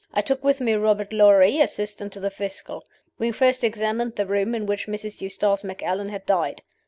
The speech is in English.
I took with me Robert Lorrie, assistant to the Fiscal. We first examined the room in which Mrs. Eustace Macallan had died.